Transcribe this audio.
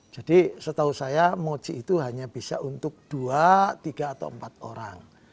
jadi setahu saya moci itu hanya bisa untuk dua tiga atau empat orang